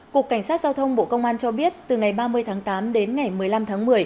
cục cảnh sát giao thông bộ công an cho biết từ ngày ba mươi tháng tám đến ngày một mươi năm tháng một mươi